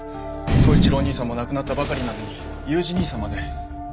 宗一郎義兄さんも亡くなったばかりなのに裕二義兄さんまで。